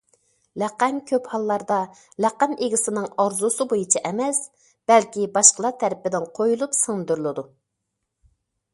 لەقەم كۆپ ھاللاردا لەقەم ئىگىسىنىڭ ئارزۇسى بويىچە ئەمەس، بەلكى باشقىلار تەرىپىدىن قويۇلۇپ سىڭدۈرۈلىدۇ.